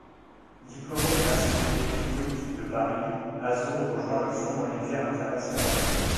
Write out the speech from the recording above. Diplômé de l'Institut d'études politiques de Paris, Azour rejoint le Fonds monétaire international.